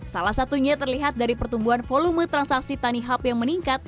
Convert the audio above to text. salah satunya terlihat dari pertumbuhan volume transaksi tanihub yang meningkat